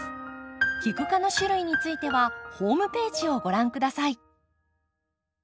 キク科の種類についてはホームページをご覧下さい。